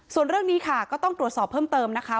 ส่วนเรื่องนี้ค่ะก็ต้องตรวจสอบเพิ่มเติมนะคะ